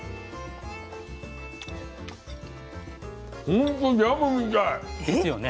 ほんとジャムみたい。ですよね。